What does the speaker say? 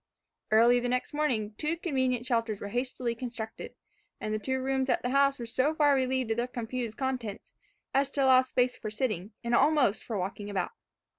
Early the next morning, two convenient shelters were hastily constructed, and the two rooms of the house were so far relieved of their confused contents, as to allow space for sitting, and almost for walking about.